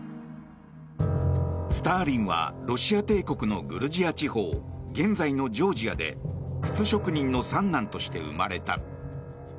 スターリンはロシア帝国のグルジア地方現在のジョージアで靴職人の三男として生まれた。